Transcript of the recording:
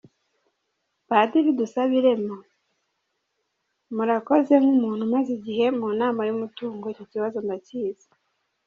Padiri Dusabirema : Mrakoze, nk’umuntu umaze igihe mu nama y’umutungo, icyo kibazo ndakizi.